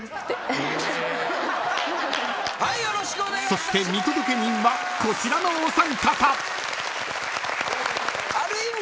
［そして見届け人はこちらのお三方］ある意味。